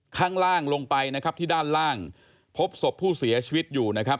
ข้างล่างลงไปนะครับที่ด้านล่างพบศพผู้เสียชีวิตอยู่นะครับ